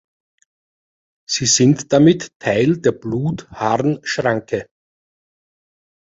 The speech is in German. Sie sind damit Teil der Blut-Harn-Schranke.